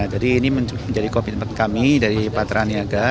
jadi ini menjadi komitmen kami dari patera niaga